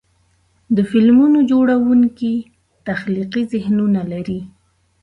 د فلمونو جوړونکي تخلیقي ذهنونه لري.